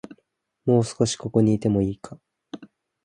もう少し、ここにいてもいいか